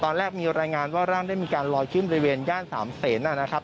ตอนแรกมีรายงานว่าร่างได้มีการลอยขึ้นบริเวณย่านสามเศษนะครับ